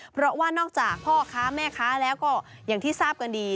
เพราะว่านอกจากพ่อค้าแม่ค้าแล้วก็อย่างที่ทราบกันดี